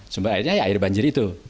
sumber airnya air banjir itu